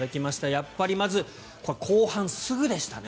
やっぱりまず後半すぐでしたね。